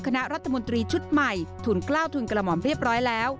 คณะรัฐมนตรีชุดใหม่ทุนกล้าวทุนกระหม่อมเรียบร้อยแล้ว